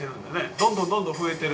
どんどんどんどん増えてる。